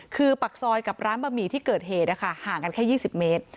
คือปากซอยกับร้านบะหมี่ที่เกิดเหตุห่างกันแค่๒๐เมตร